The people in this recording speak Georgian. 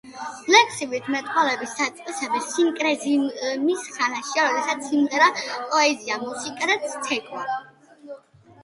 ლექსითი მეტყველების საწყისები სინკრეტიზმის ხანაშია, როდესაც სიმღერა, პოეზია, მუსიკა და ცეკვა მთლიანობაში იყო წარმოდგენილი.